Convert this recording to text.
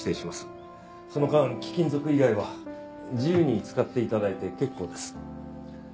その間貴金属以外は自由に使って頂いて結構です。